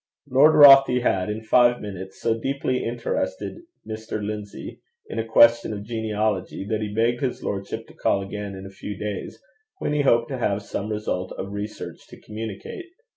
Lord Rothie had, in five minutes, so deeply interested Mr. Lindsay in a question of genealogy, that he begged his lordship to call again in a few days, when he hoped to have some result of research to communicate.